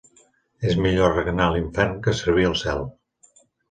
És millor regnar a l'infern que servir al cel.